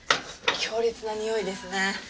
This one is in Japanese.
強烈なにおいですね。